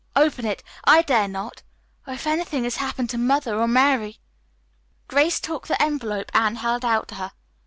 "Open it. I dare not. Oh, if anything has happened to Mother or Mary!" Grace took the envelope Anne held out to her.